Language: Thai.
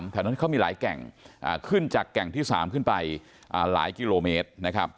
แถวนั้นเขามีหลายแก่งขึ้นจากแก่งที่๓ขึ้นไปหลายกิโลเมตรนะครับ